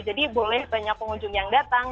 boleh banyak pengunjung yang datang